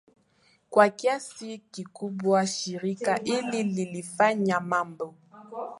kwa kiasi kikubwa Shirika hili lilifanya mambo